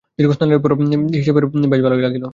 দীর্ঘ স্নানের পর নিসার সাহেবের বেশ ভালোই লাগল।